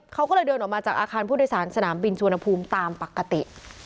เขาก็เลยเดินออกมาจากอาคารผู้โดยสารสนามบินชวนภูมิตามปกติ